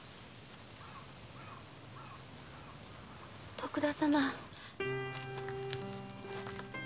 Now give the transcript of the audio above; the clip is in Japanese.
徳田様。